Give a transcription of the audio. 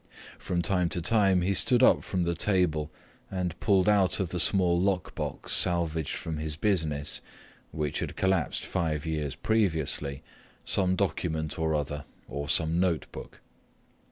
From time to time he stood up from the table and pulled out of the small lockbox salvaged from his business, which had collapsed five years previously, some document or other or some notebook.